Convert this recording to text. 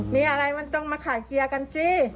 มีอะไรมันต้องมาขายเคลียร์กันสิ